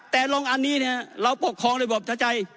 แต่ลองอันนี้เราปกครองในระบบมาตราชาธิ